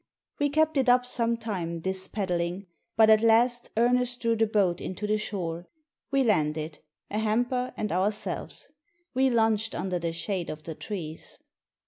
We kept it up some time, this paddling ; but at last Ernest drew the boat into the shore. We landed — a hamper and ourselves. We lunched under the shade of the trees.